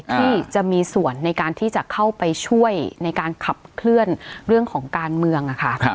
ที่จะมีส่วนในการที่จะเข้าไปช่วยในการขับเคลื่อนเรื่องของการเมืองค่ะ